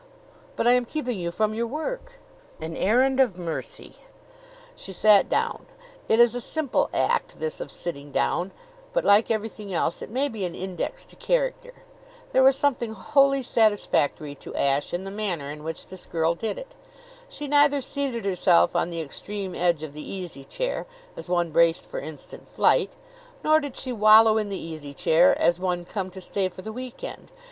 "But I am keeping you from your work." "An errand of mercy." She sat down. It is a simple act, this of sitting down; but, like everything else, it may be an index to character. There was something wholly satisfactory to Ashe in the manner in which this girl did it. She neither seated herself on the extreme edge of the easy chair, as one braced for instant flight; nor did she wallow in the easy chair, as one come to stay for the week end.